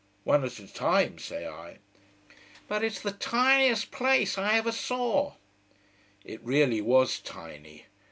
"One at a time," say I. "But it's the tiniest place I ever saw." It really was tiny.